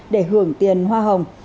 để hưởng tiền hoa hồng